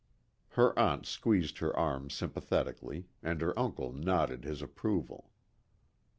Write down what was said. Her aunt squeezed her arm sympathetically, and her uncle nodded his approval.